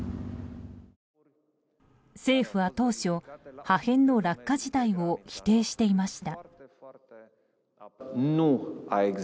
政府は当初、破片の落下自体を否定していました。